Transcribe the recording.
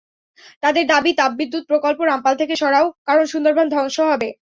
তাদের দাবি, তাপবিদ্যুৎ প্রকল্প রামপাল থেকে সরাও, কারণ সুন্দরবন ধ্বংস হবে।